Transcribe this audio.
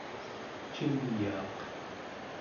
cingyaaq